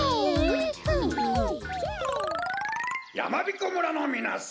やまびこ村のみなさん